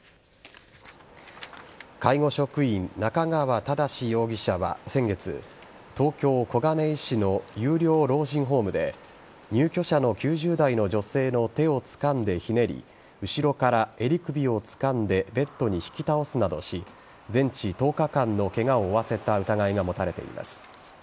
介護職員・中川忠容疑者は先月東京・小金井市の有料老人ホームで入居者の９０代の女性の手をつかんでひねり後ろから襟首をつかんでベッドに引き倒すなどし全治１０日間のケガを負わせた疑いが持たれています。